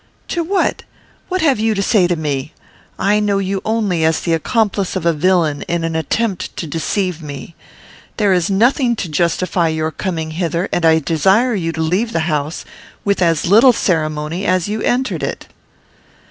"To what? What have you to say to me? I know you only as the accomplice of a villain in an attempt to deceive me. There is nothing to justify your coming hither, and I desire you to leave the house with as little ceremony as you entered it."